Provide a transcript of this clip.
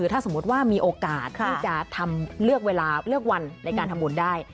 ถ้ามีโอกาสที่จะเลือกวันในการทำบุญได้